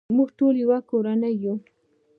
موږ ټول یو کورنۍ یو.